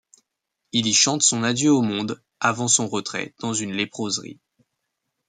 Il y chante son adieu au monde avant son retrait dans une léproserie.